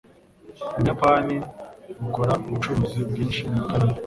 Ubuyapani bukora ubucuruzi bwinshi na Kanada.